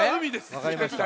わかりました。